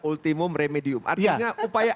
ultimum remedium artinya upaya